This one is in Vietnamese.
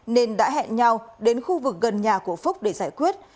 nên đã hẹn nhau đến khu vực gần nhà của phúc để giải quyết